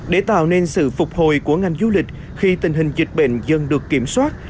để tạo nên sự phục hồi của ngành du lịch khi tình hình dịch bệnh dần được kiểm soát